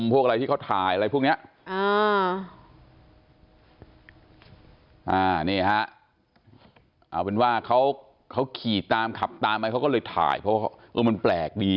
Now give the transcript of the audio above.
พวกอะไรที่เขาถ่ายพวกเมี้ย